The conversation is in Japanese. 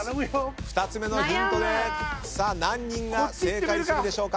２つ目のヒントで何人が正解するでしょうか。